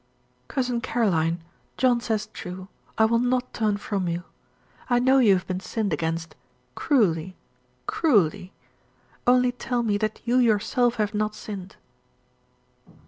"Cousin Caroline, John says true I will not turn from you. I know you have been sinned against cruelly cruelly. Only tell me that you yourself have not sinned."